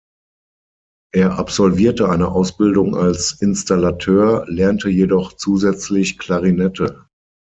Er absolvierte eine Ausbildung als Installateur, lernte jedoch zusätzlich Klarinette.